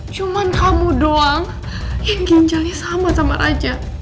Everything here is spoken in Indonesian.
cuma kamu doang ginjalnya sama sama raja